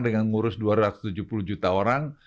dengan ngurus dua ratus tujuh puluh juta orang